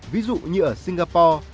ví dụ như ở singapore